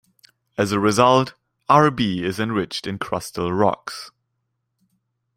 As a result, Rb is enriched in crustal rocks.